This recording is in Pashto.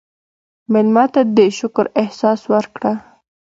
مېلمه ته د شکر احساس ورکړه.